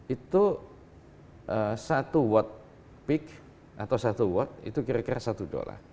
itu satu watt peak atau satu watt itu kira kira satu dollar